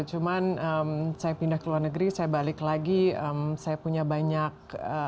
cuman saya pindah ke luar negeri saya balik lagi saya punya banyak